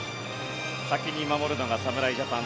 先に守るのが侍ジャパン。